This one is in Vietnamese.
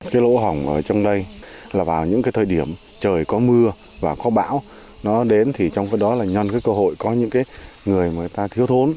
cái lỗ hỏng ở trong đây là vào những thời điểm trời có mưa và có bão nó đến thì trong cái đó là nhân cơ hội có những người mà người ta thiếu thốn